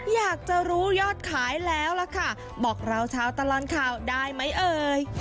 อยากจะรู้ยอดขายแล้วล่ะค่ะบอกเราเช้าตลอดข่าวได้ไหมเอ่ย